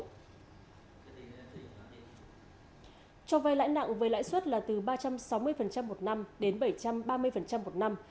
cho vay lãi nặng với lãi suất là từ ba trăm sáu mươi một năm đến bảy trăm ba mươi một năm